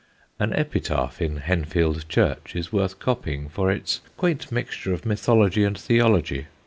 An epitaph in Henfield Church is worth copying for its quaint mixture of mythology and theology.